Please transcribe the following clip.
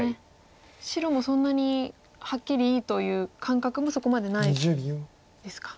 白もそんなにはっきりいいという感覚もそこまでないですか。